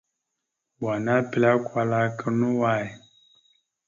Wa ana epəlé kwala aka no way.